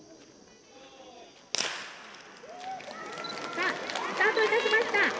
「さあスタートいたしました」。